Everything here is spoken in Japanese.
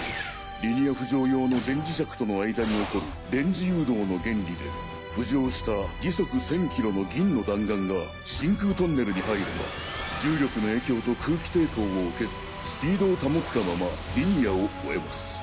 リニア浮上用の電磁石との間に起こる電磁誘導の原理で浮上した時速１０００キロの銀の弾丸が真空トンネルに入れば重力の影響と空気抵抗を受けずスピードを保ったままリニアを追えます。